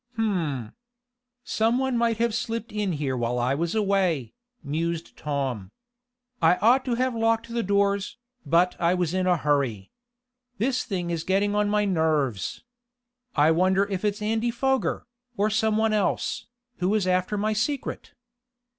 "H'm! Some one might have slipped in here while I was away," mused Tom. "I ought to have locked the doors, but I was in a hurry. This thing is getting on my nerves. I wonder if it's Andy Foger, or some one else, who is after my secret?"